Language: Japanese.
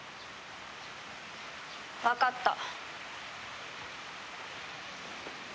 わかった。